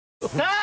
あ！